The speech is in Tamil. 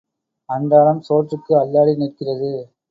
அன்றாடம் சோற்றுக்கு அல்லாடி நிற்கிறது.